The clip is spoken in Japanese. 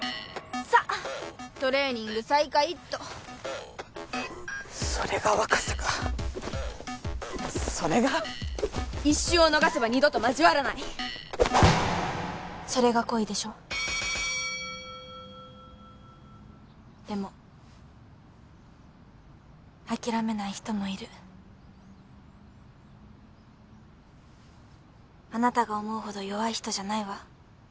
さっトレーニング再開っとそれが若さかそれが一瞬を逃せば二度と交わらないそれが恋でしょでも諦めない人もいるあなたが思うほど弱い人じゃないわ